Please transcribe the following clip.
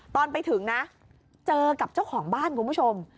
ตอนไปถึงนะเจอกับเจ้าของบ้านคุณผู้ชม